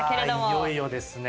いよいよですね。